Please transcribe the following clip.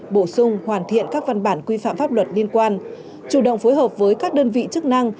bổ sung hoàn thiện các văn bản quy phạm pháp luật liên quan chủ động phối hợp với các đơn vị chức năng